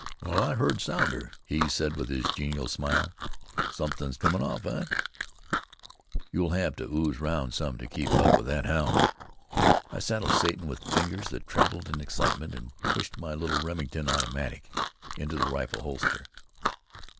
"Well, I heard Sounder," he said with his genial smile. "Somethin's comin' off, eh? You'll have to ooze round some to keep up with that hound." I saddled Satan with fingers that trembled in excitement, and pushed my little Remington automatic into the rifle holster.